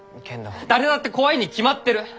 誰だって怖いに決まってる！